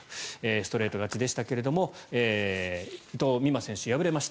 ストレート勝ちでしたが伊藤美誠選手は敗れました。